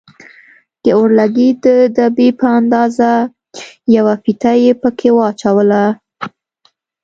د اورلګيت د دبي په اندازه يوه فيته يې پکښې واچوله.